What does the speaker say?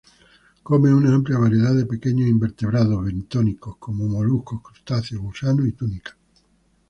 Come una amplia variedad de pequeños invertebrados bentónicos, como moluscos, crustáceos, gusanos y túnicas.